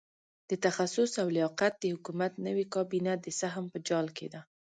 د تخصص او لیاقت د حکومت نوې کابینه د سهم په جال کې ده.